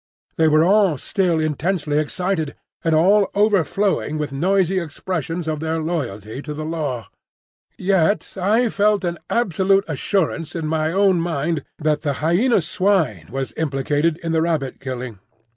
They were all still intensely excited, and all overflowing with noisy expressions of their loyalty to the Law; yet I felt an absolute assurance in my own mind that the Hyena swine was implicated in the rabbit killing.